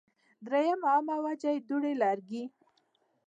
دريمه عامه وجه ئې دوړې ، لوګي